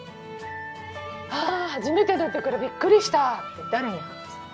あ初めてだったからびっくりしたって誰に話す？